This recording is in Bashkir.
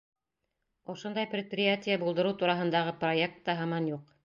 Ошондай предприятие булдырыу тураһындағы проект та һаман юҡ.